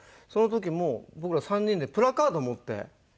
その時も僕ら３人でプラカード持って。